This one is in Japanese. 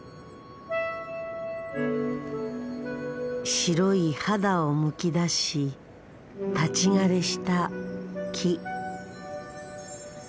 白い肌をむき出し立ち枯れした木。